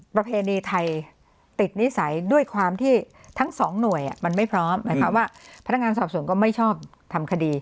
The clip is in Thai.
ประเพณีไทยติดนิสัยด้วยความที่ทั้งสองหน่วยมันไม่พร้อมนะคะว่าพนักงานสอบส่วนก็ไม่ชอบทำคดี